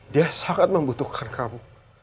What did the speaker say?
dia sangat membutuhkan kamu